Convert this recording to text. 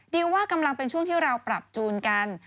ว่ากำลังเป็นช่วงที่เราปรับจูนกัน